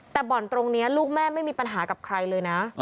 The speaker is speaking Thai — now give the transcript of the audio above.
แต่บ่อนตรงนี้ลูกแม่ไม่มีปัญหากับใครเลยนะ